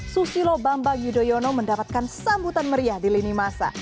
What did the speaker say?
susilo bambang yudhoyono mendapatkan sambutan meriah di lini masa